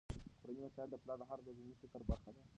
کورني مسایل د پلار د هره ورځني فکر برخه ده.